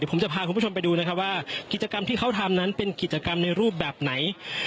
ผมจะพาคุณผู้ชมไปดูนะครับว่ากิจกรรมที่เขาทำนั้นเป็นกิจกรรมในรูปแบบไหน